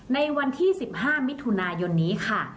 ในวันที่๑๕มิถุนายนนี้ค่ะ